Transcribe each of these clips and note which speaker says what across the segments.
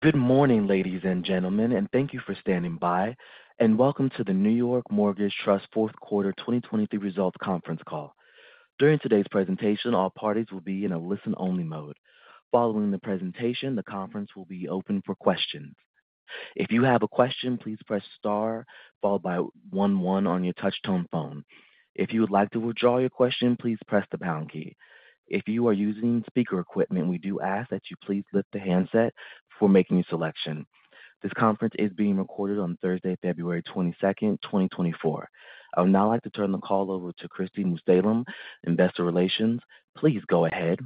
Speaker 1: Good morning, ladies and gentlemen, and thank you for standing by, and welcome to the New York Mortgage Trust Fourth Quarter 2023 Results Conference Call. During today's presentation, all parties will be in a listen-only mode. Following the presentation, the conference will be open for questions. If you have a question, please press star followed by one one on your touchtone phone. If you would like to withdraw your question, please press the pound key. If you are using speaker equipment, we do ask that you please lift the handset before making a selection. This conference is being recorded on Thursday, February 22, 2024. I would now like to turn the call over to Kristi Mussallem, Investor Relations. Please go ahead.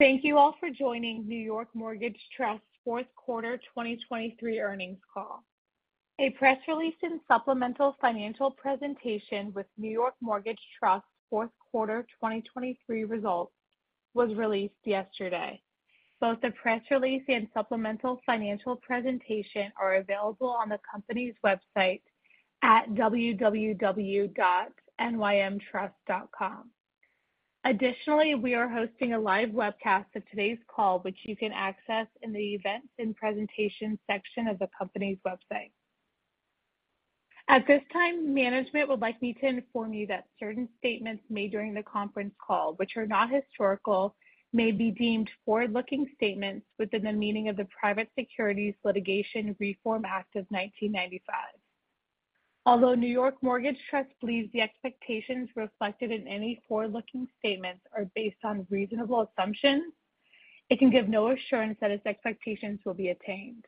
Speaker 2: Thank you all for joining New York Mortgage Trust fourth quarter 2023 earnings call. A press release and supplemental financial presentation with New York Mortgage Trust fourth quarter 2023 results was released yesterday. Both the press release and supplemental financial presentation are available on the company's website at www.nymtrust.com. Additionally, we are hosting a live webcast of today's call, which you can access in the Events and Presentations section of the company's website. At this time, management would like me to inform you that certain statements made during the conference call, which are not historical, may be deemed forward-looking statements within the meaning of the Private Securities Litigation Reform Act of 1995. Although New York Mortgage Trust believes the expectations reflected in any forward-looking statements are based on reasonable assumptions, it can give no assurance that its expectations will be attained.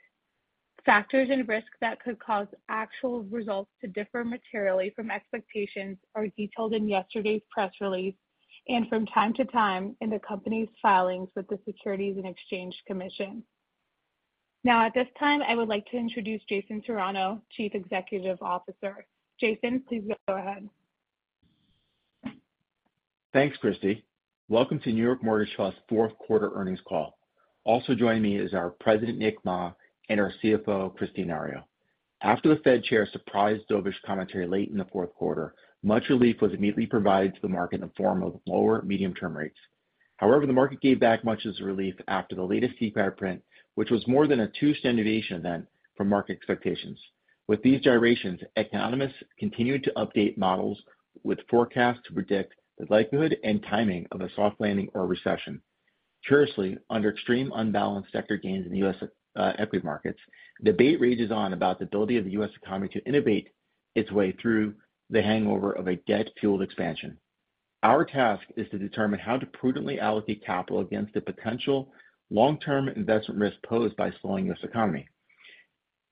Speaker 2: Factors and risks that could cause actual results to differ materially from expectations are detailed in yesterday's press release and from time to time in the company's filings with the Securities and Exchange Commission. Now, at this time, I would like to introduce Jason Serrano, Chief Executive Officer. Jason, please go ahead.
Speaker 3: Thanks, Kristi. Welcome to New York Mortgage Trust's fourth quarter earnings call. Also joining me is our President, Nicholas Mah, and our CFO, Kristine Nario. After the Fed Chair's surprised dovish commentary late in the fourth quarter, much relief was immediately provided to the market in the form of lower medium-term rates. However, the market gave back much of this relief after the latest CPI print, which was more than a two standard deviation event from market expectations. With these gyrations, economists continued to update models with forecasts to predict the likelihood and timing of a soft landing or a recession. Curiously, under extreme unbalanced sector gains in the U.S. equity markets, debate rages on about the ability of the U.S. economy to innovate its way through the hangover of a debt-fueled expansion. Our task is to determine how to prudently allocate capital against the potential long-term investment risk posed by slowing this economy.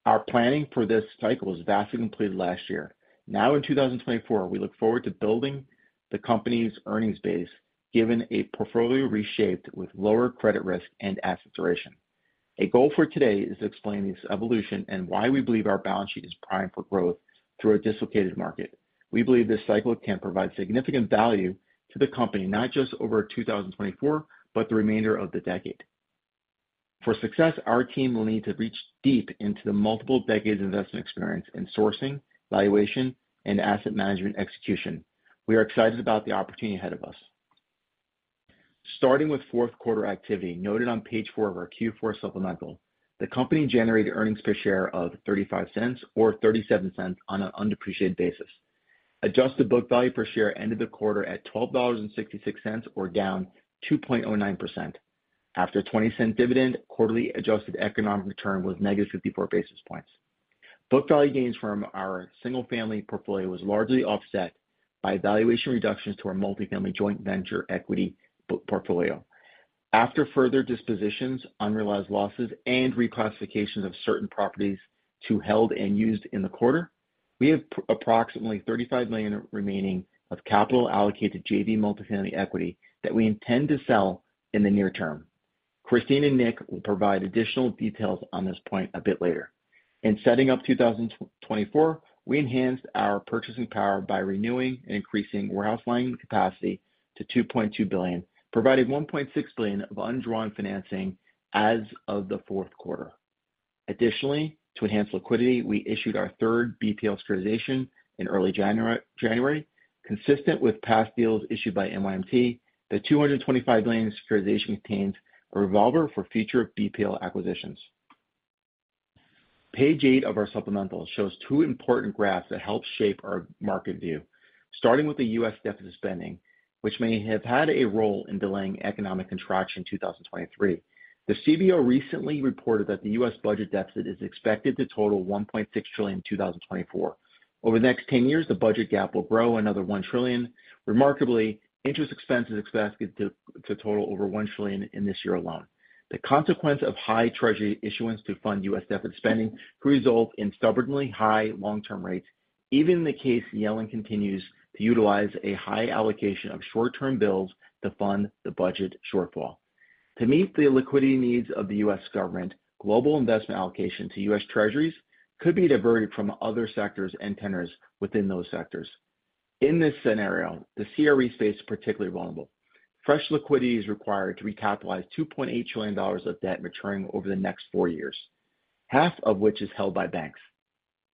Speaker 3: Our planning for this cycle was vastly completed last year. Now, in 2024, we look forward to building the company's earnings base, given a portfolio reshaped with lower credit risk and asset duration. A goal for today is to explain this evolution and why we believe our balance sheet is primed for growth through a dislocated market. We believe this cycle can provide significant value to the company, not just over 2024, but the remainder of the decade. For success, our team will need to reach deep into the multiple decades of investment experience in sourcing, valuation, and asset management execution. We are excited about the opportunity ahead of us. Starting with fourth quarter activity noted on page 4 of our Q4 supplemental, the company generated earnings per share of $0.35 or $0.37 on an undepreciated basis. Adjusted book value per share ended the quarter at $12.66, or down 2.09%. After a $0.20 dividend, quarterly adjusted economic return was negative 54 basis points. Book value gains from our single-family portfolio was largely offset by valuation reductions to our multifamily joint venture equity book portfolio. After further dispositions, unrealized losses, and reclassifications of certain properties to held and used in the quarter, we have approximately $35 million remaining of capital allocated to JV multifamily equity that we intend to sell in the near term. Kristine and Nick will provide additional details on this point a bit later. In setting up 2024, we enhanced our purchasing power by renewing and increasing warehouse lending capacity to $2.2 billion, providing $1.6 billion of undrawn financing as of the fourth quarter. Additionally, to enhance liquidity, we issued our third BPL securitization in early January. Consistent with past deals issued by NYMT, the $225 million securitization contains a revolver for future BPL acquisitions. Page 8 of our supplemental shows two important graphs that help shape our market view, starting with the U.S. deficit spending, which may have had a role in delaying economic contraction in 2023. The CBO recently reported that the U.S. budget deficit is expected to total $1.6 trillion in 2024. Over the next 10 years, the budget gap will grow another $1 trillion. Remarkably, interest expense is expected to total over $1 trillion in this year alone. The consequence of high Treasury issuance to fund U.S. deficit spending could result in stubbornly high long-term rates, even in the case Yellen continues to utilize a high allocation of short-term bills to fund the budget shortfall. To meet the liquidity needs of the U.S. government, global investment allocation to U.S. Treasuries could be diverted from other sectors and tenors within those sectors. In this scenario, the CRE space is particularly vulnerable. Fresh liquidity is required to recapitalize $2.8 trillion of debt maturing over the next four years, half of which is held by banks'.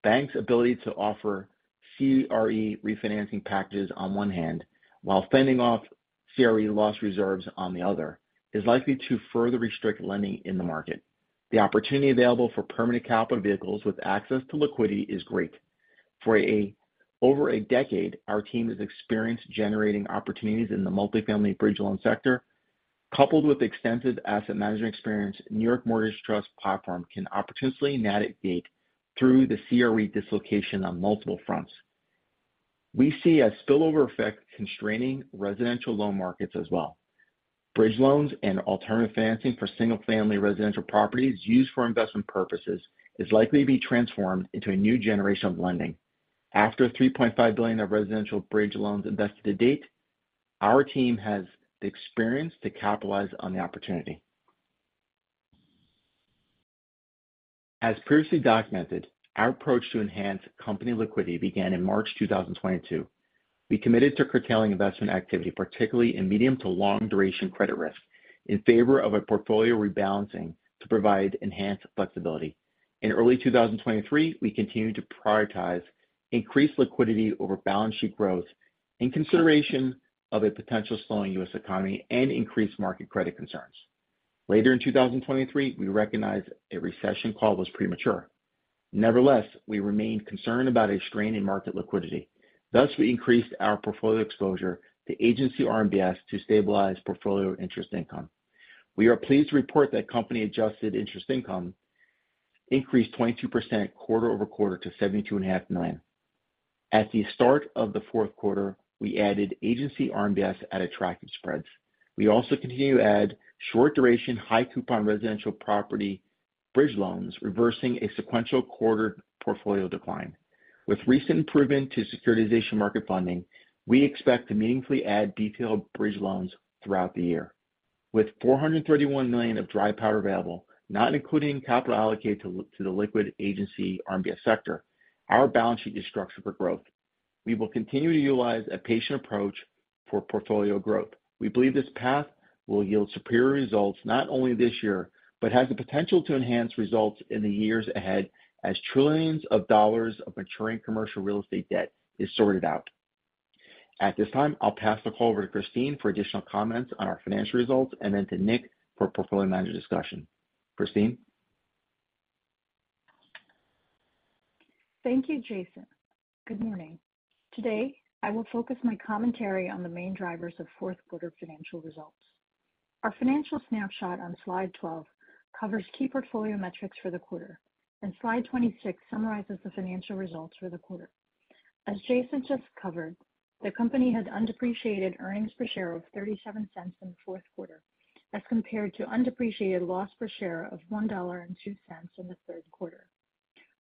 Speaker 3: Banks' ability to offer CRE refinancing packages on one hand, while fending off CRE loss reserves on the other, is likely to further restrict lending in the market. The opportunity available for permanent capital vehicles with access to liquidity is great. For over a decade, our team has experienced generating opportunities in the multifamily bridge loan sector, coupled with extensive asset management experience, New York Mortgage Trust platform can opportunistically navigate through the CRE dislocation on multiple fronts. We see a spillover effect constraining residential loan markets as well. Bridge loans and alternative financing for single-family residential properties used for investment purposes is likely to be transformed into a new generation of lending. After $3.5 billion of residential bridge loans invested to date, our team has the experience to capitalize on the opportunity. As previously documented, our approach to enhance company liquidity began in March 2022. We committed to curtailing investment activity, particularly in medium to long duration credit risk, in favor of a portfolio rebalancing to provide enhanced flexibility. In early 2023, we continued to prioritize increased liquidity over balance sheet growth in consideration of a potential slowing U.S. economy and increased market credit concerns. Later in 2023, we recognized a recession call was premature. Nevertheless, we remained concerned about a strain in market liquidity. Thus, we increased our portfolio exposure to Agency RMBS to stabilize portfolio interest income. We are pleased to report that company adjusted interest income increased 22% quarter-over-quarter to $72.5 million. At the start of the fourth quarter, we added Agency RMBS at attractive spreads. We also continue to add short duration, high coupon residential property bridge loans, reversing a sequential quarter portfolio decline. With recent improvement to securitization market funding, we expect to meaningfully add BPL bridge loans throughout the year. With $431 million of dry powder available, not including capital allocated to the liquid Agency RMBS sector, our balance sheet is structured for growth. We will continue to utilize a patient approach for portfolio growth. We believe this path will yield superior results not only this year, but has the potential to enhance results in the years ahead as trillions of dollars of maturing commercial real estate debt is sorted out. At this time, I'll pass the call over to Kristine for additional comments on our financial results, and then to Nick for portfolio manager discussion. Kristine?
Speaker 4: Thank you, Jason. Good morning. Today, I will focus my commentary on the main drivers of fourth quarter financial results. Our financial snapshot on slide 12 covers key portfolio metrics for the quarter, and slide 26 summarizes the financial results for the quarter. As Jason just covered, the company had undepreciated earnings per share of $0.37 in the fourth quarter, as compared to undepreciated loss per share of $1.02 in the third quarter.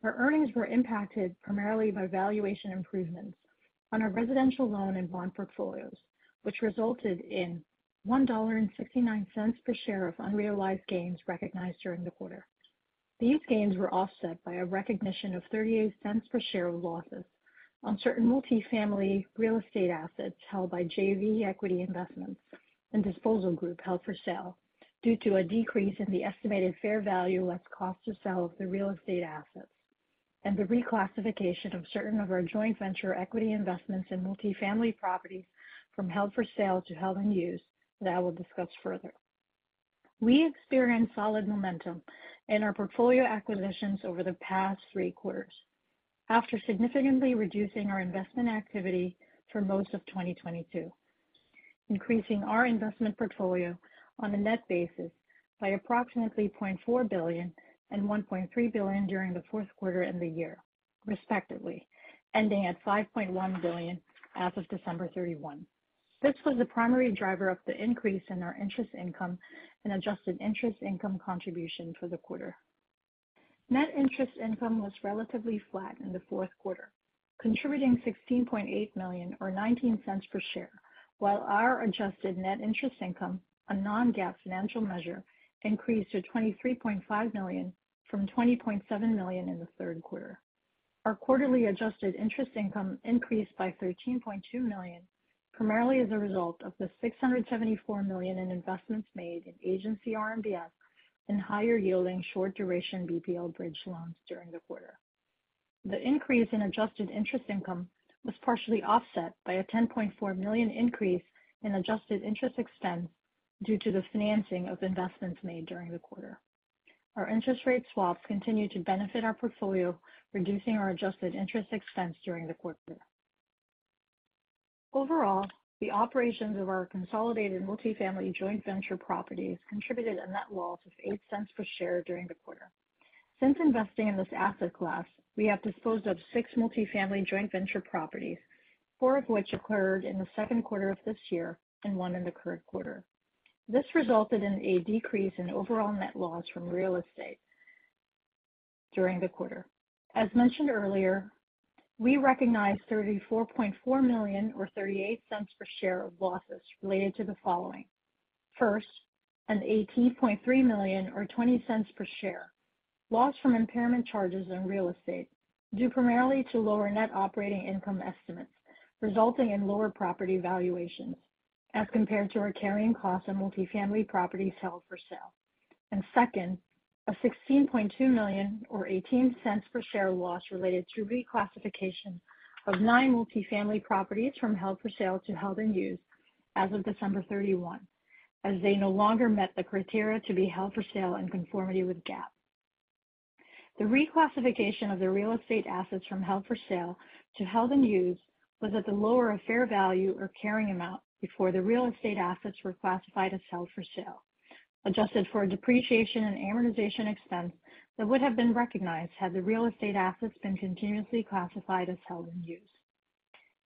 Speaker 4: Our earnings were impacted primarily by valuation improvements on our residential loan and bond portfolios, which resulted in $1.69 per share of unrealized gains recognized during the quarter. These gains were offset by a recognition of $0.38 per share of losses on certain multifamily real estate assets held by JV equity investments and disposal group held for sale, due to a decrease in the estimated fair value less cost of sale of the real estate assets, and the reclassification of certain of our joint venture equity investments in multifamily properties from held for sale to held and used that I will discuss further. We experienced solid momentum in our portfolio acquisitions over the past three quarters. After significantly reducing our investment activity for most of 2022, increasing our investment portfolio on a net basis by approximately $0.4 billion and $1.3 billion during the fourth quarter and the year, respectively, ending at $5.1 billion as of December 31, 2022. This was the primary driver of the increase in our interest income and adjusted interest income contribution for the quarter. Net interest income was relatively flat in the fourth quarter, contributing $16.8 million or $0.19 per share, while our adjusted net interest income, a non-GAAP financial measure, increased to $23.5 million from $20.7 million in the third quarter. Our quarterly adjusted interest income increased by $13.2 million, primarily as a result of the $674 million in investments made in Agency RMBS and higher yielding short duration BPL bridge loans during the quarter. The increase in adjusted interest income was partially offset by a $10.4 million increase in adjusted interest expense due to the financing of investments made during the quarter. Our interest rate swaps continued to benefit our portfolio, reducing our adjusted interest expense during the quarter. Overall, the operations of our consolidated multifamily joint venture properties contributed a net loss of $0.08 per share during the quarter. Since investing in this asset class, we have disposed of 6 multifamily joint venture properties, 4 of which occurred in the second quarter of this year and one in the current quarter. This resulted in a decrease in overall net loss from real estate during the quarter. As mentioned earlier, we recognized $34.4 million or $0.38 per share of losses related to the following: First, an $18.3 million or $0.20 per share loss from impairment charges in real estate, due primarily to lower net operating income estimates, resulting in lower property valuations as compared to our carrying costs on multifamily properties held for sale. and second, a $16.2 million or $0.18 per share loss related to reclassification of 9 multifamily properties from held for sale to held and used as of December 31, as they no longer met the criteria to be held for sale in conformity with GAAP. The reclassification of the real estate assets from held for sale to held and used was at the lower of fair value or carrying amount before the real estate assets were classified as held for sale, adjusted for a depreciation and amortization expense that would have been recognized had the real estate assets been continuously classified as held and used.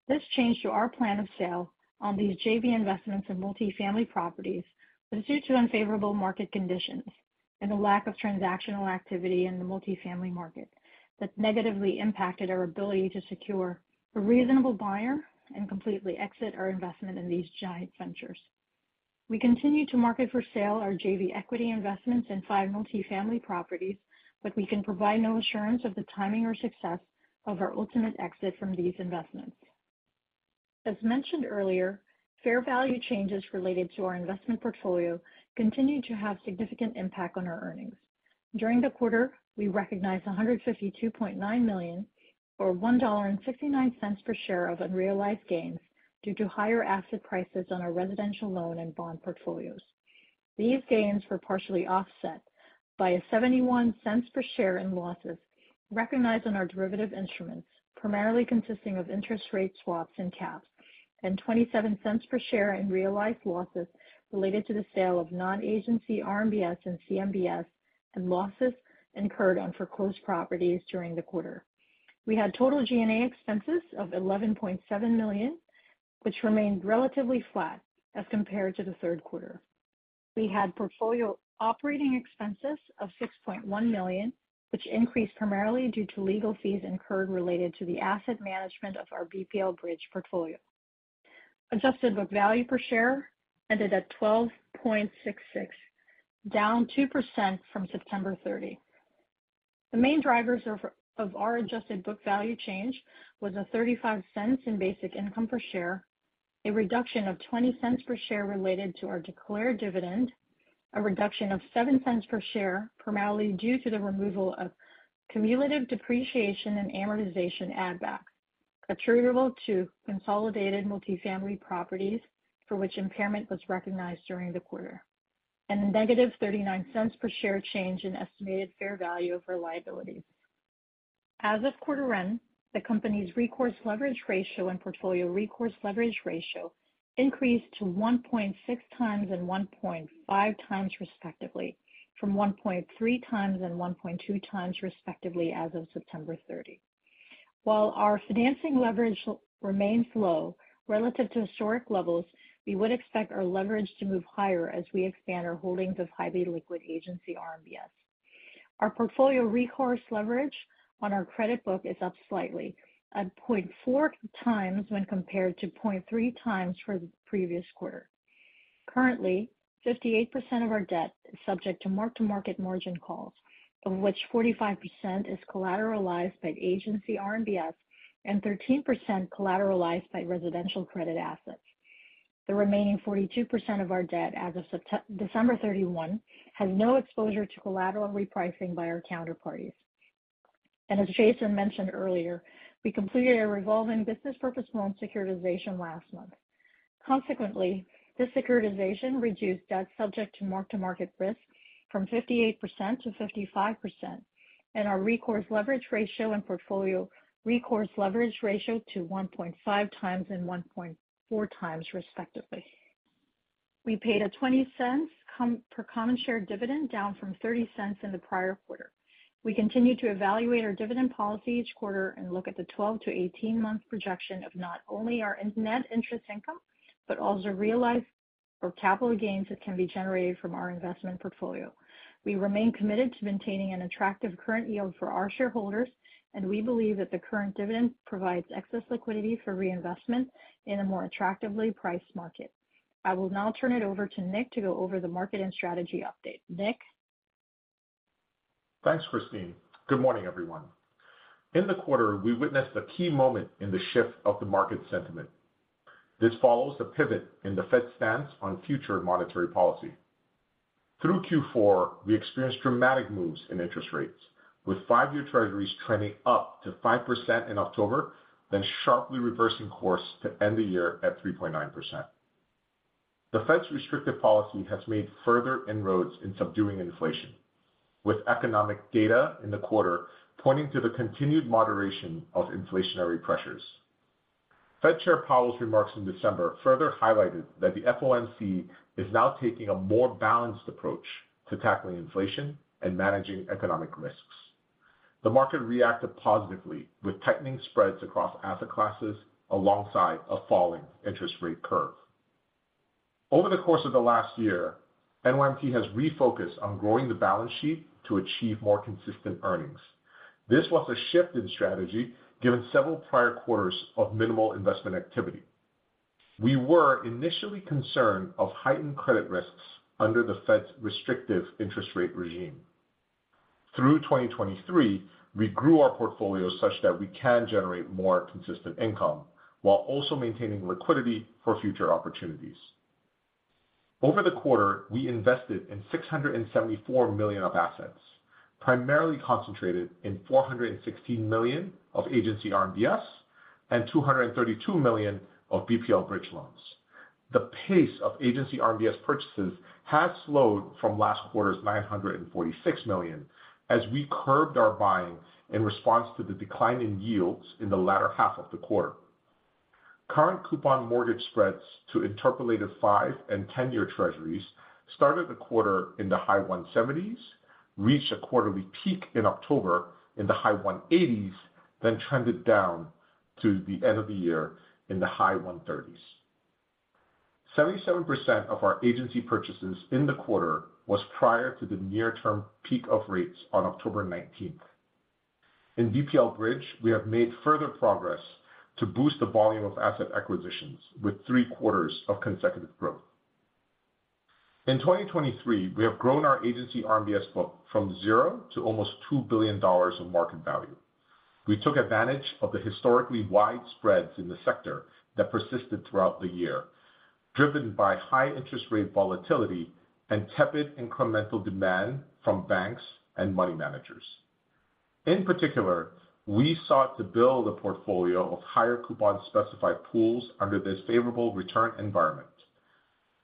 Speaker 4: This change to our plan of sale on these JV investments in multifamily properties was due to unfavorable market conditions and a lack of transactional activity in the multifamily market that negatively impacted our ability to secure a reasonable buyer and completely exit our investment in these joint ventures. We continue to market for sale our JV equity investments in five multifamily properties, but we can provide no assurance of the timing or success of our ultimate exit from these investments. As mentioned earlier, fair value changes related to our investment portfolio continued to have significant impact on our earnings. During the quarter, we recognized $152.9 million, or $1.69 per share of unrealized gains due to higher asset prices on our residential loan and bond portfolios. These gains were partially offset by $0.71 per share in losses recognized on our derivative instruments, primarily consisting of interest rate swaps and caps, and $0.27 per share in realized losses related to the sale of Non-Agency RMBS and CMBS, and losses incurred on foreclosed properties during the quarter. We had total G&A expenses of $11.7 million, which remained relatively flat as compared to the third quarter. We had portfolio operating expenses of $6.1 million, which increased primarily due to legal fees incurred related to the asset management of our BPL bridge portfolio. Adjusted book value per share ended at 12.66, down 2% from September 30. The main drivers of our Adjusted Book Value change was a $0.35 in basic income per share, a reduction of $0.20 per share related to our declared dividend, a reduction of $0.07 per share, primarily due to the removal of cumulative depreciation and amortization add back, attributable to consolidated multifamily properties for which impairment was recognized during the quarter, and a negative $0.39 per share change in estimated fair value of our liabilities. As of quarter end, the company's recourse leverage ratio and portfolio recourse leverage ratio increased to 1.6 times and 1.5 times, respectively, from 1.3 times and 1.2 times, respectively, as of September 30. While our financing leverage remains low relative to historic levels, we would expect our leverage to move higher as we expand our holdings of highly liquid Agency RMBS. Our portfolio recourse leverage on our credit book is up slightly, at 0.4x when compared to 0.3x for the previous quarter. Currently, 58% of our debt is subject to mark-to-market margin calls, of which 45% is collateralized by Agency RMBS and 13% collateralized by residential credit assets. The remaining 42% of our debt as of December 31, has no exposure to collateral repricing by our counterparties. As Jason mentioned earlier, we completed a revolving business purpose loan securitization last month. Consequently, this securitization reduced debt subject to mark-to-market risk from 58% to 55%, and our recourse leverage ratio and portfolio recourse leverage ratio to 1.5x and 1.4x, respectively. We paid a $0.20 per common share dividend, down from $0.30 in the prior quarter. We continue to evaluate our dividend policy each quarter and look at the 12- to 18-month projection of not only our net interest income, but also realized or capital gains that can be generated from our investment portfolio. We remain committed to maintaining an attractive current yield for our shareholders, and we believe that the current dividend provides excess liquidity for reinvestment in a more attractively priced market. I will now turn it over to Nick to go over the market and strategy update. Nick?
Speaker 5: Thanks, Kristine. Good morning, everyone. In the quarter, we witnessed a key moment in the shift of the market sentiment. This follows a pivot in the Fed's stance on future monetary policy. Through Q4, we experienced dramatic moves in interest rates, with five-year Treasuries trending up to 5% in October, then sharply reversing course to end the year at 3.9%. The Fed's restrictive policy has made further inroads in subduing inflation, with economic data in the quarter pointing to the continued moderation of inflationary pressures. Fed Chair Powell's remarks in December further highlighted that the FOMC is now taking a more balanced approach to tackling inflation and managing economic risks. The market reacted positively, with tightening spreads across asset classes alongside a falling interest rate curve. Over the course of the last year, NYMT has refocused on growing the balance sheet to achieve more consistent earnings. This was a shift in strategy, given several prior quarters of minimal investment activity. We were initially concerned of heightened credit risks under the Fed's restrictive interest rate regime... through 2023, we grew our portfolio such that we can generate more consistent income, while also maintaining liquidity for future opportunities. Over the quarter, we invested in $674 million of assets, primarily concentrated in $416 million of Agency RMBS and $232 million of BPL bridge loans. The pace of Agency RMBS purchases has slowed from last quarter's $946 million as we curbed our buying in response to the decline in yields in the latter half of the quarter. Current coupon mortgage spreads to interpolated 5- and 10-year Treasuries started the quarter in the high 170s, reached a quarterly peak in October in the high 180s, then trended down to the end of the year in the high 130s. 77% of our agency purchases in the quarter was prior to the near-term peak of rates on October 19. In BPL Bridge, we have made further progress to boost the volume of asset acquisitions with 3 quarters of consecutive growth. In 2023, we have grown our Agency RMBS book from zero to almost $2 billion in market value. We took advantage of the historically wide spreads in the sector that persisted throughout the year, driven by high interest rate volatility and tepid incremental demand from banks and money managers. In particular, we sought to build a portfolio of higher coupon specified pools under this favorable return environment.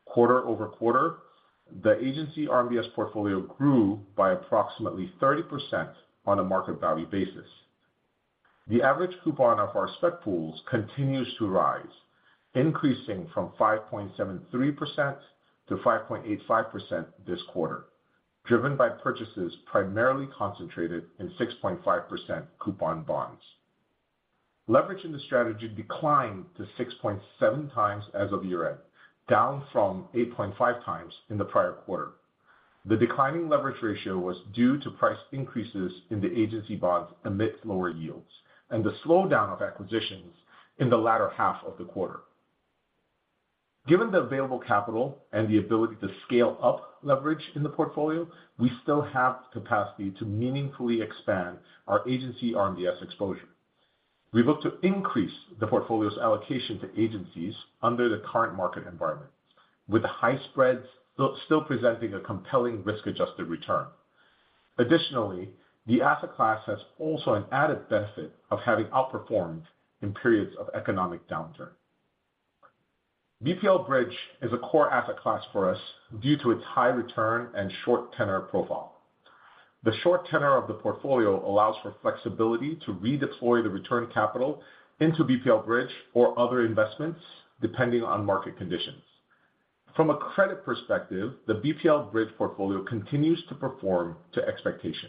Speaker 5: Quarter-over-quarter, the Agency RMBS portfolio grew by approximately 30% on a market value basis. The average coupon of our spec pools continues to rise, increasing from 5.73% to 5.85% this quarter, driven by purchases primarily concentrated in 6.5% coupon bonds. Leverage in the strategy declined to 6.7x as of year-end, down from 8.5x in the prior quarter. The declining leverage ratio was due to price increases in the Agency bonds amidst lower yields, and the slowdown of acquisitions in the latter half of the quarter. Given the available capital and the ability to scale up leverage in the portfolio, we still have the capacity to meaningfully expand our Agency RMBS exposure. We look to increase the portfolio's allocation to Agencies under the current market environment, with high spreads still, still presenting a compelling risk-adjusted return. Additionally, the asset class has also an added benefit of having outperformed in periods of economic downturn. BPL Bridge is a core asset class for us due to its high return and short tenor profile. The short tenor of the portfolio allows for flexibility to redeploy the return capital into BPL Bridge or other investments, depending on market conditions. From a credit perspective, the BPL bridge portfolio continues to perform to expectation.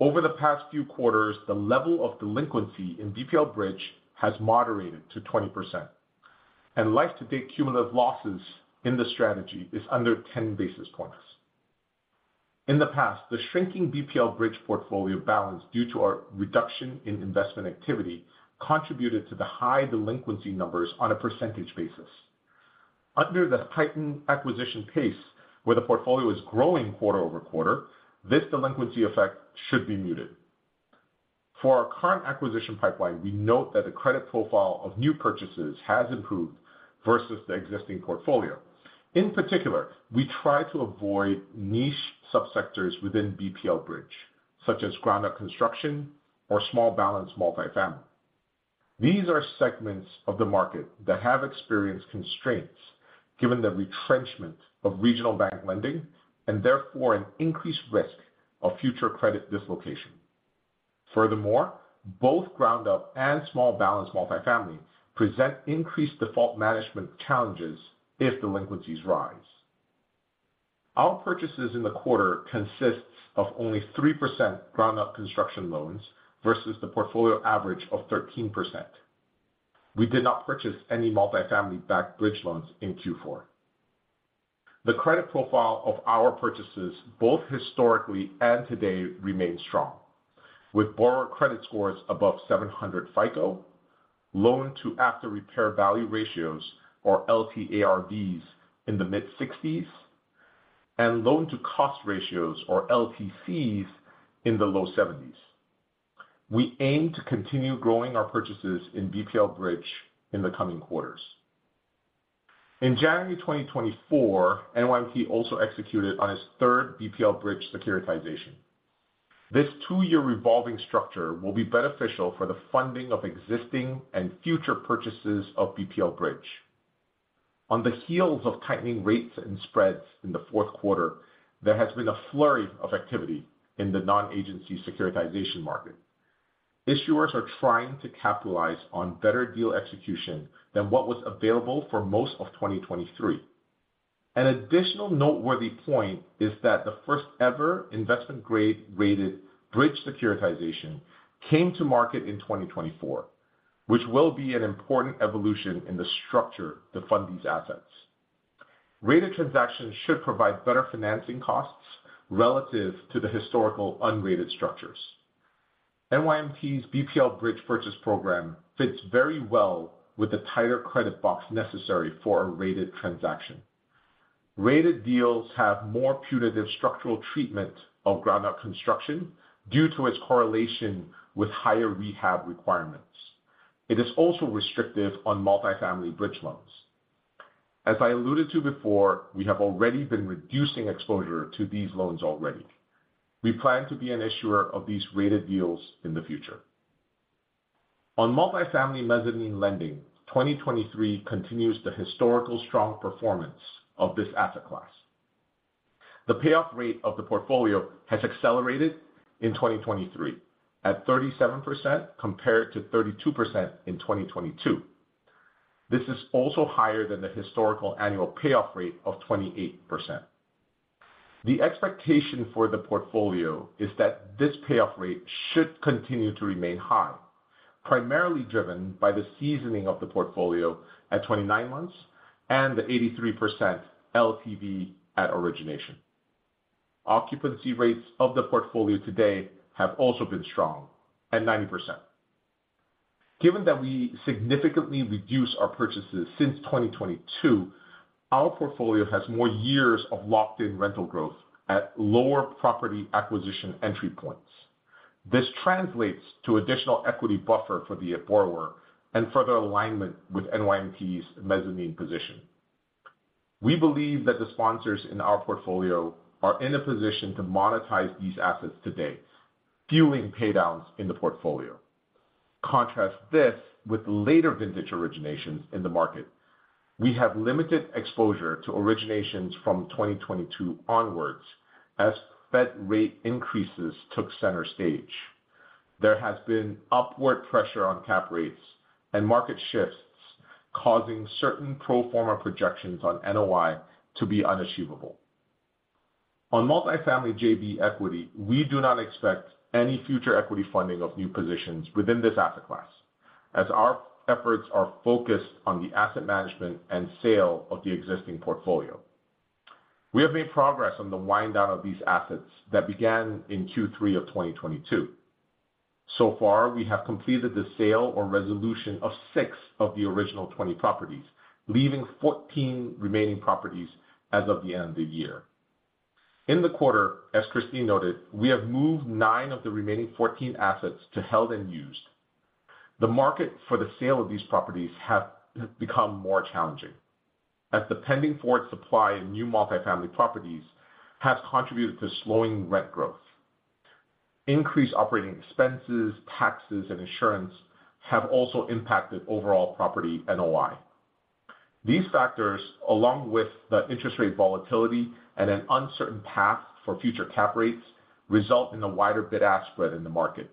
Speaker 5: Over the past few quarters, the level of delinquency in BPL Bridge has moderated to 20%, and life-to-date cumulative losses in the strategy is under 10 basis points. In the past, the shrinking BPL bridge portfolio balance due to our reduction in investment activity, contributed to the high delinquency numbers on a percentage basis. Under the heightened acquisition pace, where the portfolio is growing quarter over quarter, this delinquency effect should be muted. For our current acquisition pipeline, we note that the credit profile of new purchases has improved versus the existing portfolio. In particular, we try to avoid niche subsectors within BPL Bridge, such as ground-up construction or small balance multifamily. These are segments of the market that have experienced constraints given the retrenchment of regional bank lending, and therefore an increased risk of future credit dislocation. Furthermore, both ground-up and small balance multifamily present increased default management challenges if delinquencies rise. Our purchases in the quarter consists of only 3% ground-up construction loans versus the portfolio average of 13%. We did not purchase any multifamily-backed bridge loans in Q4. The credit profile of our purchases, both historically and today, remains strong, with borrower credit scores above 700 FICO, loan to after-repair value ratios or LTARVs in the mid-60s, and loan-to-cost ratios or LTCs in the low 70s. We aim to continue growing our purchases in BPL Bridge in the coming quarters. In January 2024, NYMT also executed on its third BPL Bridge securitization. This two-year revolving structure will be beneficial for the funding of existing and future purchases of BPL Bridge. On the heels of tightening rates and spreads in the fourth quarter, there has been a flurry of activity in the Non-Agency securitization market. Issuers are trying to capitalize on better deal execution than what was available for most of 2023. An additional noteworthy point is that the first ever investment grade-rated bridge securitization came to market in 2024, which will be an important evolution in the structure to fund these assets. Rated transactions should provide better financing costs relative to the historical unrated structures.... NYMT's BPL Bridge purchase program fits very well with the tighter credit box necessary for a rated transaction. Rated deals have more punitive structural treatment of ground-up construction due to its correlation with higher rehab requirements. It is also restrictive on multifamily bridge loans. As I alluded to before, we have already been reducing exposure to these loans already. We plan to be an issuer of these rated deals in the future. On multifamily mezzanine lending, 2023 continues the historical strong performance of this asset class. The payoff rate of the portfolio has accelerated in 2023, at 37% compared to 32% in 2022. This is also higher than the historical annual payoff rate of 28%. The expectation for the portfolio is that this payoff rate should continue to remain high, primarily driven by the seasoning of the portfolio at 29 months and the 83% LTV at origination. Occupancy rates of the portfolio today have also been strong, at 90%. Given that we significantly reduced our purchases since 2022, our portfolio has more years of locked-in rental growth at lower property acquisition entry points. This translates to additional equity buffer for the borrower and further alignment with NYMT's mezzanine position. We believe that the sponsors in our portfolio are in a position to monetize these assets today, fueling pay downs in the portfolio. Contrast this with later vintage originations in the market. We have limited exposure to originations from 2022 onwards, as Fed rate increases took center stage. There has been upward pressure on cap rates and market shifts, causing certain pro forma projections on NOI to be unachievable. On multifamily JV equity, we do not expect any future equity funding of new positions within this asset class, as our efforts are focused on the asset management and sale of the existing portfolio. We have made progress on the wind down of these assets that began in Q3 of 2022. So far, we have completed the sale or resolution of six of the original 20 properties, leaving 14 remaining properties as of the end of the year. In the quarter, as Kristine noted, we have moved nine of the remaining 14 assets to held and used. The market for the sale of these properties have become more challenging, as the pending forward supply in new multifamily properties has contributed to slowing rent growth. Increased operating expenses, taxes, and insurance have also impacted overall property NOI. These factors, along with the interest rate volatility and an uncertain path for future cap rates, result in a wider bid-ask spread in the market.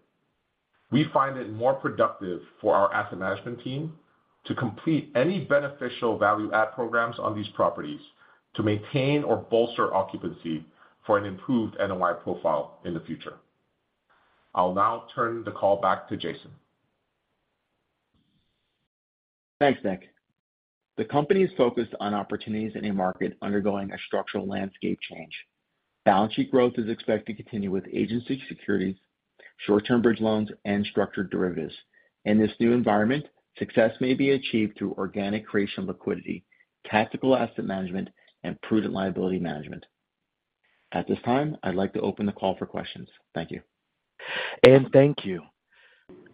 Speaker 5: We find it more productive for our asset management team to complete any beneficial value add programs on these properties to maintain or bolster occupancy for an improved NOI profile in the future. I'll now turn the call back to Jason.
Speaker 3: Thanks, Nick. The company is focused on opportunities in a market undergoing a structural landscape change. Balance sheet growth is expected to continue with agency securities, short-term bridge loans, and structured derivatives. In this new environment, success may be achieved through organic creation of liquidity, tactical asset management, and prudent liability management. At this time, I'd like to open the call for questions. Thank you.
Speaker 1: Thank you.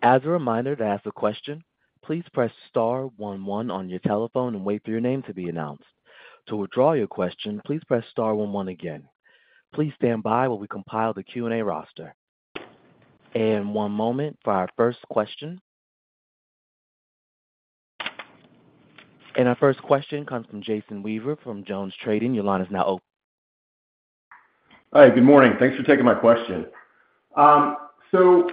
Speaker 1: As a reminder, to ask a question, please press star one one on your telephone and wait for your name to be announced. To withdraw your question, please press star one one again. Please stand by while we compile the Q&A roster. One moment for our first question. Our first question comes from Jason Weaver from JonesTrading. Your line is now open.
Speaker 6: Hi, good morning. Thanks for taking my question. So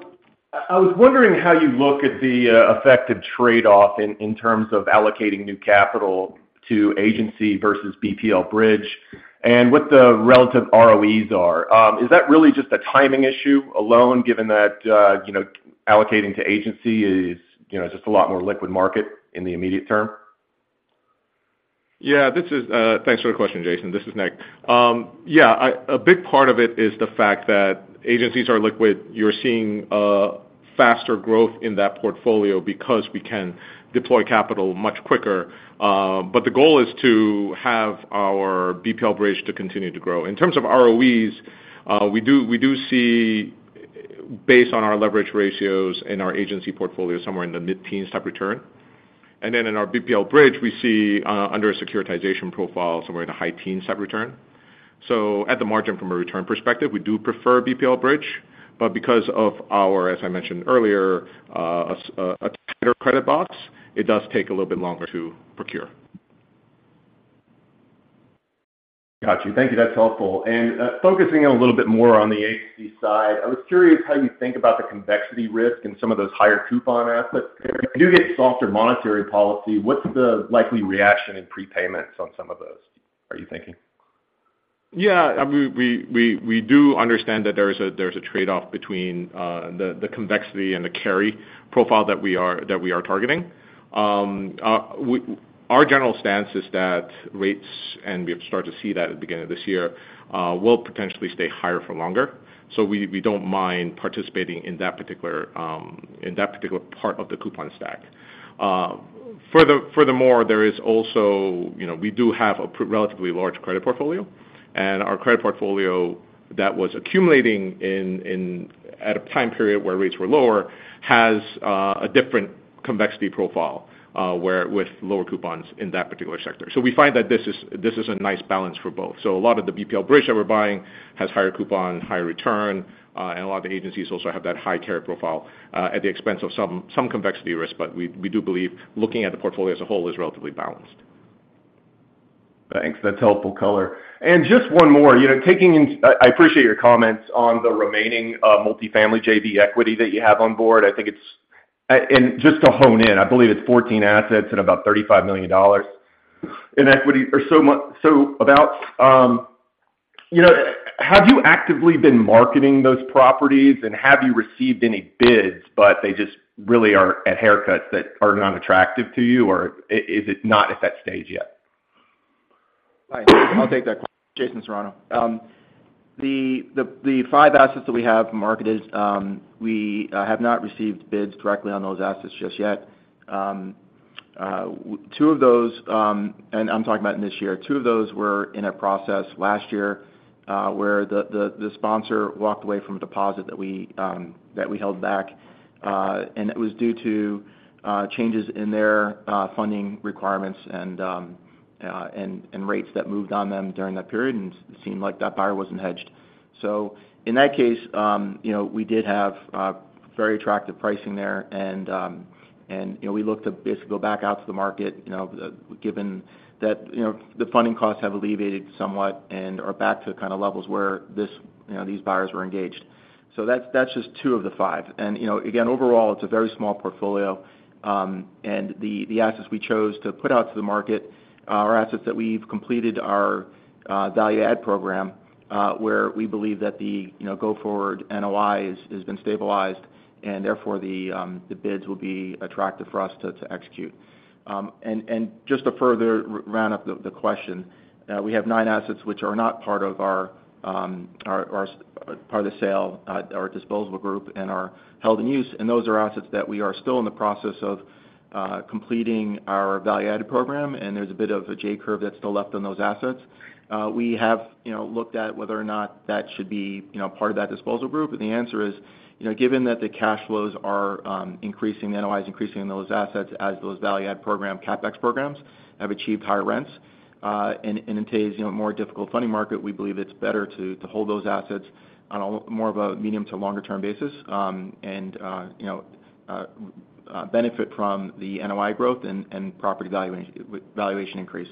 Speaker 6: I was wondering how you look at the effective trade-off in terms of allocating new capital to agency versus BPL Bridge and what the relative ROEs are. Is that really just a timing issue alone, given that you know, allocating to agency is, you know, just a lot more liquid market in the immediate term?
Speaker 5: Yeah, this is thanks for the question, Jason. This is Nick. Yeah, a big part of it is the fact that Agencies are liquid. You're seeing faster growth in that portfolio because we can deploy capital much quicker. But the goal is to have our BPL bridge to continue to grow. In terms of ROEs, we do see, based on our leverage ratios in our agency portfolio, somewhere in the mid-teens type return. And then in our BPL bridge, we see, under a securitization profile, somewhere in the high teens type return. So at the margin, from a return perspective, we do prefer BPL Bridge, but because of our, as I mentioned earlier, a tighter credit box, it does take a little bit longer to procure.
Speaker 6: Got you. Thank you. That's helpful. And focusing a little bit more on the agency side, I was curious how you think about the convexity risk in some of those higher coupon assets. If you do get softer monetary policy, what's the likely reaction in prepayments on some of those, are you thinking?
Speaker 5: Yeah, I mean, we do understand that there is a, there's a trade-off between the convexity and the carry profile that we are targeting. Our general stance is that rates, and we have started to see that at the beginning of this year, will potentially stay higher for longer. So we don't mind participating in that particular part of the coupon stack. Furthermore, there is also, you know, we do have a relatively large credit portfolio, and our credit portfolio that was accumulating in at a time period where rates were lower, has a different convexity profile, where with lower coupons in that particular sector. So we find that this is a nice balance for both. So a lot of the BPL bridge that we're buying has higher coupon, higher return, and a lot of the Agencies also have that high carry profile, at the expense of some convexity risk. But we do believe looking at the portfolio as a whole is relatively balanced.
Speaker 6: Thanks. That's helpful color. And just one more, you know, taking in—I, I appreciate your comments on the remaining multifamily JV equity that you have on board. I think it's, and just to hone in, I believe it's 14 assets and about $35 million in equity or so. You know, have you actively been marketing those properties, and have you received any bids, but they just really are at haircuts that are not attractive to you, or is it not at that stage yet?
Speaker 3: Right. I'll take that question. Jason Serrano. The five assets that we have marketed, we have not received bids directly on those assets just yet. Two of those, and I'm talking about this year, two of those were in a process last year, where the sponsor walked away from a deposit that we held back. And it was due to changes in their funding requirements and rates that moved on them during that period, and it seemed like that buyer wasn't hedged. So in that case, you know, we did have very attractive pricing there, and you know, we looked to basically go back out to the market, you know, given that, you know, the funding costs have alleviated somewhat and are back to the kind of levels where this, you know, these buyers were engaged. So that's, that's just two of the five. And, you know, again, overall, it's a very small portfolio, and the assets we chose to put out to the market are assets that we've completed our value add program, where we believe that the, you know, go forward NOI has been stabilized, and therefore, the bids will be attractive for us to execute. And just to further round up the question, we have 9 assets which are not part of our part of the sale, our disposal group and are held and used, and those are assets that we are still in the process of completing our value add program, and there's a bit of a J-curve that's still left on those assets. We have, you know, looked at whether or not that should be, you know, part of that disposal group, and the answer is, you know, given that the cash flows are increasing, the NOI is increasing on those assets as those value add program, CapEx programs, have achieved higher rents. In today's, you know, more difficult funding market, we believe it's better to hold those assets on more of a medium- to longer-term basis, and you know, benefit from the NOI growth and property valuation increase.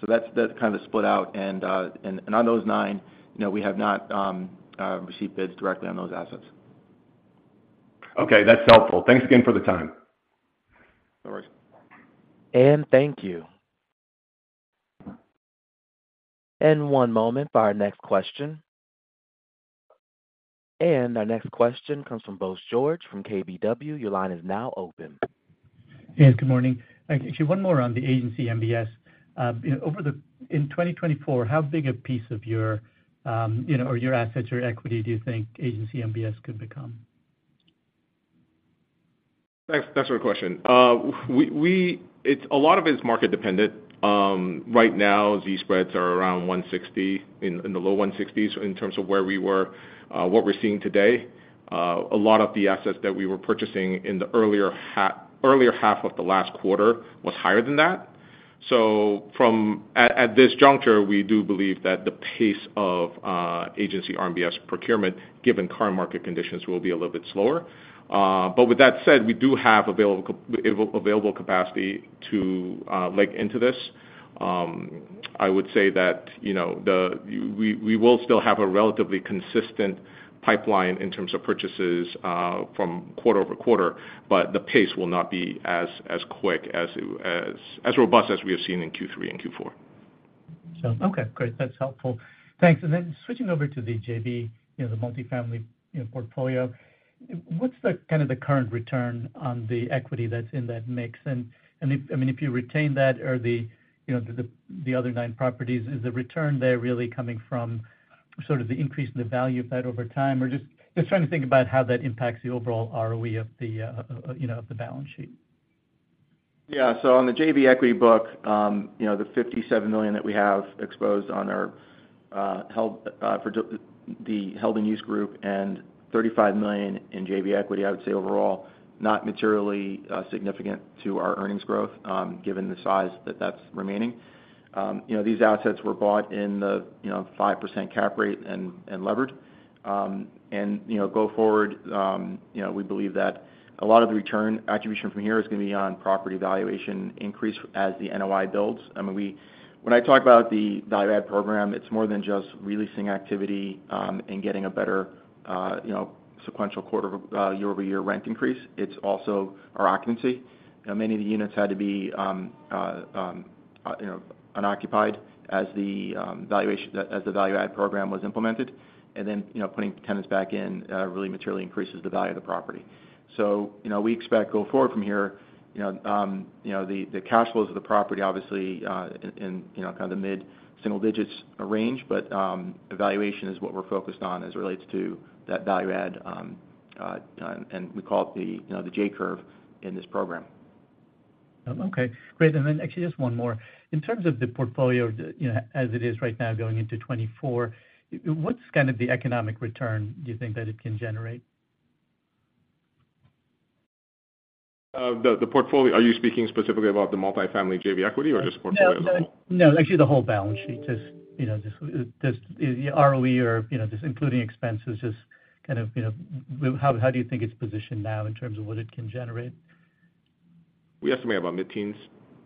Speaker 3: So that's kind of the split out. And on those 9, you know, we have not received bids directly on those assets.
Speaker 6: Okay, that's helpful. Thanks again for the time.
Speaker 3: No worries.
Speaker 1: Thank you. One moment for our next question. Our next question comes from Bose George from KBW. Your line is now open.
Speaker 7: Yes, good morning. Thank you. Actually, one more on the agency MBS. In 2024, how big a piece of your, you know, or your assets or equity do you think agency MBS could become?
Speaker 5: Thanks. That's a great question. We, it's a lot of it is market dependent. Right now, Z-spreads are around 160, in the low 160s in terms of where we were. What we're seeing today, a lot of the assets that we were purchasing in the earlier half of the last quarter was higher than that. So at this juncture, we do believe that the pace of Agency RMBS procurement, given current market conditions, will be a little bit slower. But with that said, we do have available capacity to lean into this. I would say that, you know, we will still have a relatively consistent pipeline in terms of purchases from quarter-over-quarter, but the pace will not be as quick, as robust as we have seen in Q3 and Q4.
Speaker 7: So okay, great. That's helpful. Thanks. And then switching over to the JV, you know, the multifamily, you know, portfolio. What's the kind of current return on the equity that's in that mix? And if, I mean, if you retain that or the, you know, the other nine properties, is the return there really coming from sort of the increase in the value of that over time? Or just trying to think about how that impacts the overall ROE of the, you know, of the balance sheet.
Speaker 3: Yeah. So on the JV equity book, you know, the $57 million that we have exposed on our held-for-use group, and $35 million in JV equity, I would say overall, not materially significant to our earnings growth, given the size that's remaining. You know, these assets were bought in the, you know, 5% cap rate and levered. And, you know, go forward, you know, we believe that a lot of the return attribution from here is gonna be on property valuation increase as the NOI builds. I mean, when I talk about the value add program, it's more than just re-leasing activity, and getting a better, you know, sequential quarter year-over-year rent increase. It's also our occupancy. You know, many of the units had to be. You know, unoccupied as the valuation, as the value-add program was implemented. And then, you know, putting tenants back in really materially increases the value of the property. So, you know, we expect going forward from here, you know, the cash flows of the property, obviously, in you know, kind of the mid-single digits range. But the valuation is what we're focused on as it relates to that value add, and we call it the you know, the J-curve in this program.
Speaker 7: Okay, great. And then actually just one more. In terms of the portfolio, you know, as it is right now going into 2024, what's kind of the economic return do you think that it can generate?
Speaker 3: The portfolio, are you speaking specifically about the multifamily JV equity or just portfolio as a whole?
Speaker 7: No, no, actually, the whole balance sheet. Just, you know, just the ROE or, you know, just including expenses, just kind of, you know, how do you think it's positioned now in terms of what it can generate?
Speaker 3: We estimate about mid-teens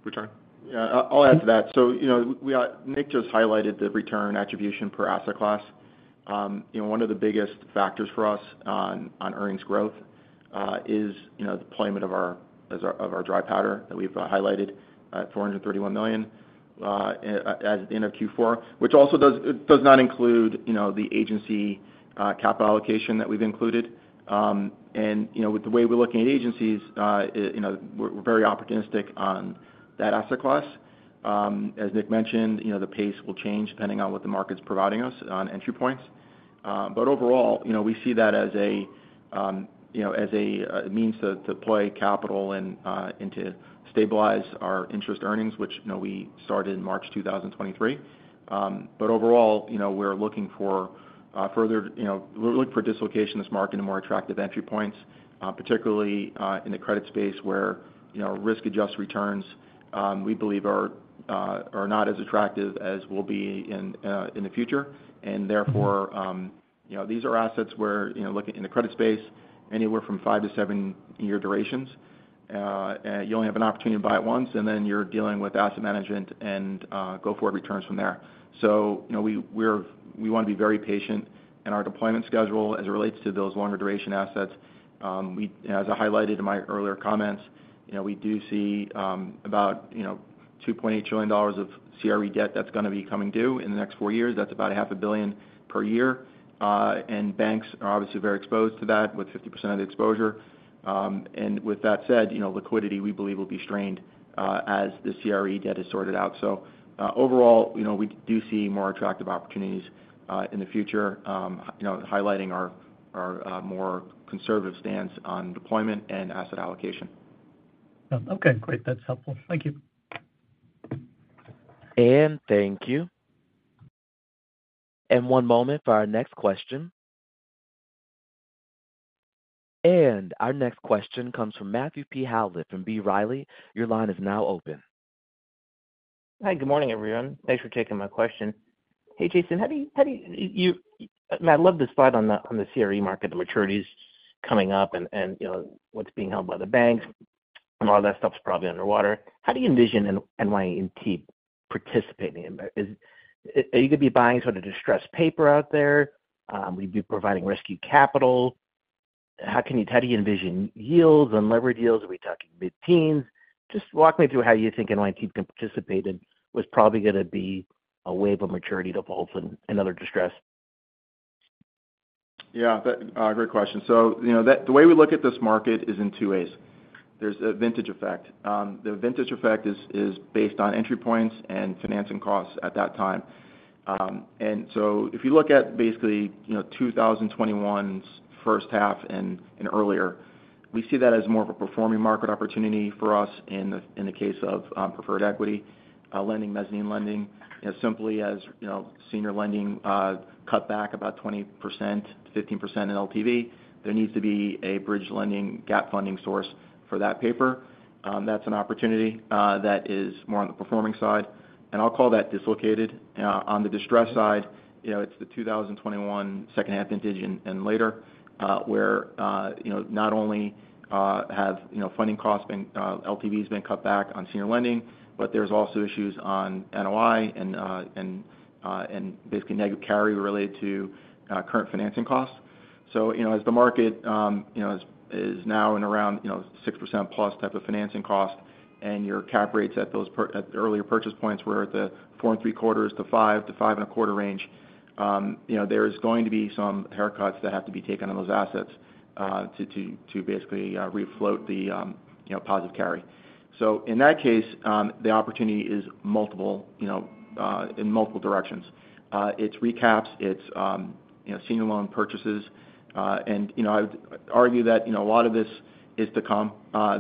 Speaker 3: return. Yeah, I'll, I'll add to that. So, you know, we, Nick just highlighted the return attribution per asset class. You know, one of the biggest factors for us on, on earnings growth, is, you know, the deployment of our, as our, of our dry powder that we've, highlighted at $431 million, at, as in our Q4. Which also does, does not include, you know, the agency, capital allocation that we've included. And, you know, with the way we're looking at Agencies, you know, we're, we're very opportunistic on that asset class. As Nick mentioned, you know, the pace will change depending on what the market's providing us on entry points. But overall, you know, we see that as a, you know, as a, a means to, to deploy capital and, and to stabilize our interest earnings, which, you know, we started in March 2023. But overall, you know, we're looking for, further, you know, we're looking for dislocation in this market and more attractive entry points, particularly, in the credit space, where, you know, risk-adjusted returns, we believe are, are not as attractive as will be in, in the future. And therefore, you know, these are assets where, you know, looking in the credit space, anywhere from 5-7-year durations. You only have an opportunity to buy it once, and then you're dealing with asset management and, go-forward returns from there. So, you know, we want to be very patient in our deployment schedule as it relates to those longer-duration assets. As I highlighted in my earlier comments, you know, we do see about, you know, $2.8 trillion of CRE debt that's gonna be coming due in the next four years. That's about $500 million per year. And banks are obviously very exposed to that, with 50% of the exposure. And with that said, you know, liquidity, we believe, will be strained as the CRE debt is sorted out. So, overall, you know, we do see more attractive opportunities in the future, you know, highlighting our more conservative stance on deployment and asset allocation.
Speaker 7: Okay, great. That's helpful. Thank you.
Speaker 1: Thank you. One moment for our next question. Our next question comes from Matthew P. Howlett from B. Riley. Your line is now open.
Speaker 8: Hi, good morning, everyone. Thanks for taking my question. Hey, Jason, how do you I love the slide on the CRE market, the maturities coming up and, you know, what's being held by the banks, and all that stuff's probably underwater. How do you envision NYMT participating in that? Are you going to be buying sort of distressed paper out there? Will you be providing rescue capital? How do you envision yields and leverage deals? Are we talking mid-teens? Just walk me through how you think NYMT can participate in what's probably going to be a wave of maturity defaults and other distress.
Speaker 3: Yeah, that's a great question. So, you know, the way we look at this market is in two ways. There's a vintage effect. The vintage effect is based on entry points and financing costs at that time. And so if you look at basically, you know, 2021's first half and earlier, we see that as more of a performing market opportunity for us in the case of preferred equity lending, mezzanine lending. As simply as, you know, senior lending cut back about 20%-15% in LTV, there needs to be a bridge lending gap funding source for that paper. That's an opportunity that is more on the performing side, and I'll call that dislocated. On the distressed side, you know, it's the 2021 second half vintage and later, where you know not only have you know funding costs been LTVs been cut back on senior lending, but there's also issues on NOI and basically negative carry related to current financing costs. So, you know, as the market you know is now in around you know 6%+ type of financing cost, and your cap rates at those at the earlier purchase points were at the 4.75 to 5 to 5.25 range, you know, there is going to be some haircuts that have to be taken on those assets to basically refloat the you know positive carry. So in that case, the opportunity is multiple, you know, in multiple directions. It's recaps, it's, you know, senior loan purchases, and, you know, I would argue that, you know, a lot of this is to come.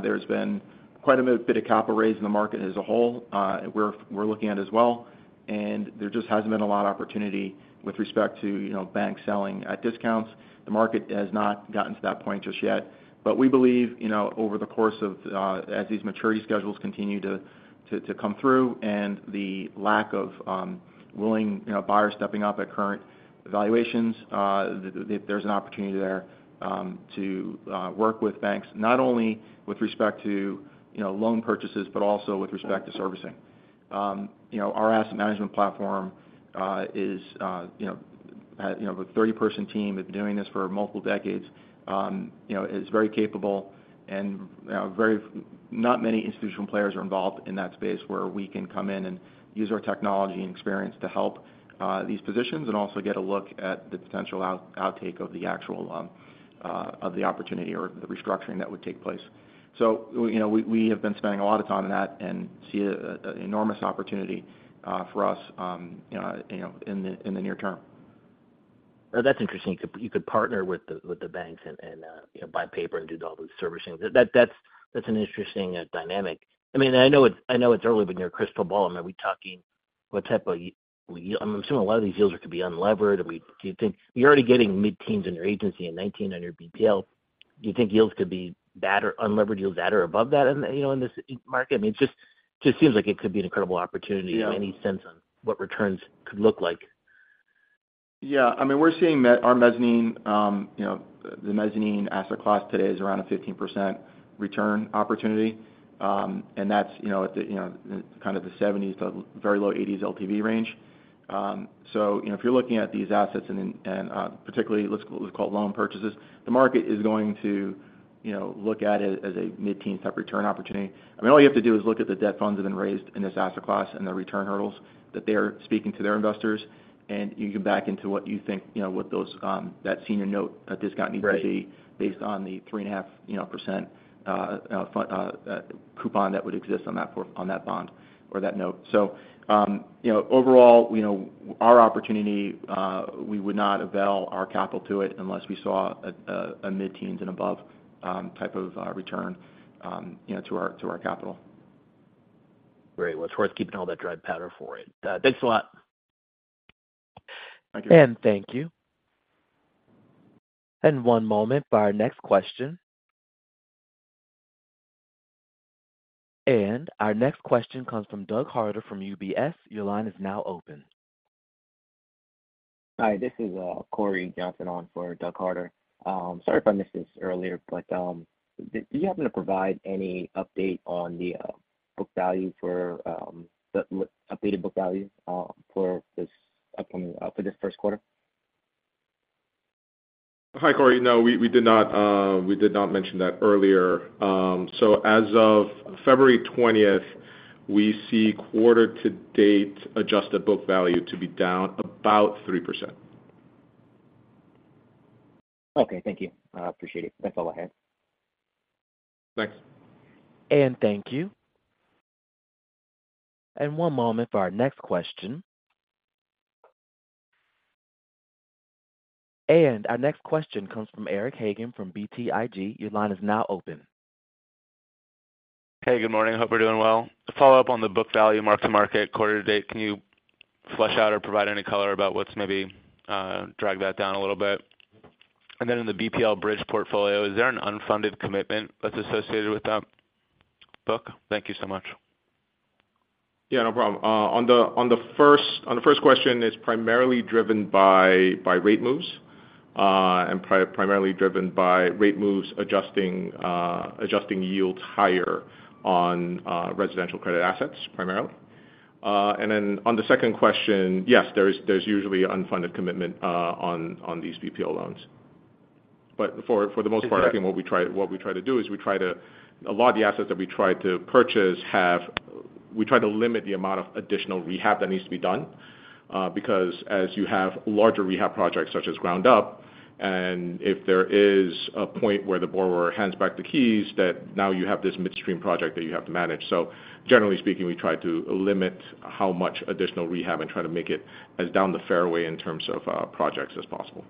Speaker 3: There's been quite a bit of capital raise in the market as a whole, we're looking at as well, and there just hasn't been a lot of opportunity with respect to, you know, banks selling at discounts. The market has not gotten to that point just yet. But we believe, you know, over the course of, as these maturity schedules continue to come through and the lack of willing, you know, buyers stepping up at current valuations, there's an opportunity there, to work with banks, not only with respect to, you know, loan purchases, but also with respect to servicing. You know, our asset management platform is, you know, the 30-person team that's been doing this for multiple decades, you know, is very capable and very not many institutional players are involved in that space where we can come in and use our technology and experience to help these positions and also get a look at the potential outtake of the actual, of the opportunity or the restructuring that would take place. So, you know, we have been spending a lot of time on that and see an enormous opportunity for us, you know, you know, in the near term.
Speaker 8: Well, that's interesting. You could, you could partner with the, with the banks and, and, you know, buy paper and do all those servicing. That's an interesting dynamic. I mean, I know it's, I know it's early, but in your crystal ball, I mean, are we talking what type of yield? I'm assuming a lot of these deals are to be unlevered. Are we- do you think- you're already getting mid-teens in your agency and 19 on your BPL. Do you think yields could be that or unlevered yields that are above that in, you know, in this market? I mean, it just seems like it could be an incredible opportunity.
Speaker 3: Yeah.
Speaker 8: Any sense on what returns could look like?
Speaker 3: Yeah. I mean, we're seeing our mezzanine, you know, the mezzanine asset class today is around a 15% return opportunity. And that's, you know, at the, you know, kind of the 70s to very low 80s LTV range. So, you know, if you're looking at these assets and, particularly let's call loan purchases, the market is going to, you know, look at it as a mid-teen type return opportunity. I mean, all you have to do is look at the debt funds that have been raised in this asset class and the return hurdles that they're speaking to their investors, and you can back into what you think, you know, what those, that senior note discount.
Speaker 8: Right
Speaker 3: Needs to be based on the 3.5%, you know, coupon that would exist on that for on that bond or that note. So, you know, overall, you know, our opportunity, we would not avail our capital to it unless we saw a mid-teen and above, type of return, you know, to our capital.
Speaker 8: Great. Well, it's worth keeping all that dry powder for it. Thanks a lot.
Speaker 3: Thank you.
Speaker 1: Thank you. One moment for our next question. Our next question comes from Doug Harter from UBS. Your line is now open.
Speaker 9: Hi, this is Cory Johnson on for Doug Harter. Sorry if I missed this earlier, but did you happen to provide any update on the book value for the updated book value for this upcoming first quarter?
Speaker 5: Hi, Cory. No, we did not mention that earlier. So as of February twentieth, we see quarter-to-date adjusted book value to be down about 3%.
Speaker 9: Okay. Thank you. I appreciate it. That's all I had.
Speaker 5: Thanks.
Speaker 1: Thank you. One moment for our next question. Our next question comes from Eric Hagen from BTIG. Your line is now open.
Speaker 10: Hey, good morning. Hope you're doing well. A follow-up on the book value mark-to-market quarter-to-date. Can you flesh out or provide any color about what's maybe dragged that down a little bit? And then in the BPL bridge portfolio, is there an unfunded commitment that's associated with that book? Thank you so much.
Speaker 5: Yeah, no problem. On the first question, it's primarily driven by rate moves, and primarily driven by rate moves, adjusting yields higher on residential credit assets, primarily. And then on the second question, yes, there's usually unfunded commitment on these BPL loans. But for the most part.
Speaker 10: Exactly
Speaker 3: What we try to do is we try to. A lot of the assets that we try to purchase, we try to limit the amount of additional rehab that needs to be done, because as you have larger rehab projects, such as ground-up, and if there is a point where the borrower hands back the keys, that now you have this midstream project that you have to manage. So generally speaking, we try to limit how much additional rehab and try to make it as down the fairway in terms of projects as possible.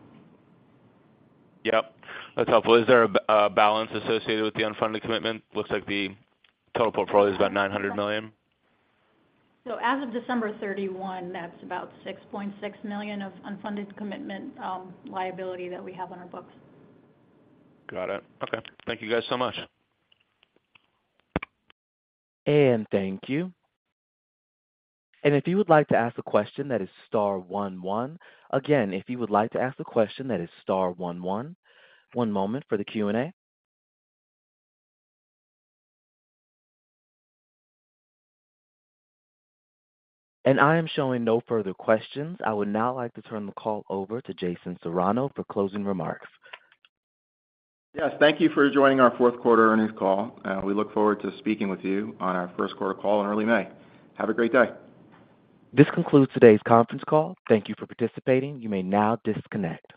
Speaker 10: Yep, that's helpful. Is there a balance associated with the unfunded commitment? Looks like the total portfolio is about $900 million.
Speaker 4: As of December 31, that's about $6.6 million of unfunded commitment liability that we have on our books.
Speaker 10: Got it. Okay. Thank you guys so much.
Speaker 1: Thank you. If you would like to ask a question, that is star one one. Again, if you would like to ask a question, that is star one one. One moment for the Q&A. I am showing no further questions. I would now like to turn the call over to Jason Serrano for closing remarks.
Speaker 3: Yes, thank you for joining our fourth quarter earnings call, and we look forward to speaking with you on our first quarter call in early May. Have a great day.
Speaker 1: This concludes today's conference call. Thank you for participating. You may now disconnect.